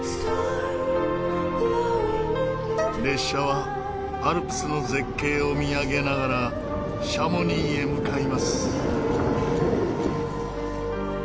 列車はアルプスの絶景を見上げながらシャモニーへ向かいます。